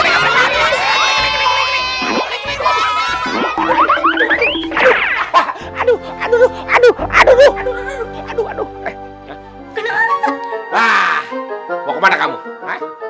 atur itu adu adu mahu keluar